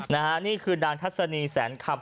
นี่คือนางทัศนีแสนคำ